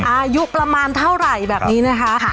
อายุประมาณเท่าไหร่แบบนี้นะคะ